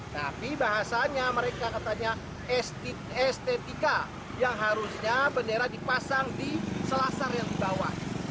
tapi bahasanya mereka katanya estetika yang harusnya bendera dipasang di selasar yang dibawa